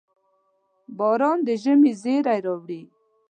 • باران د ژمي زېری راوړي.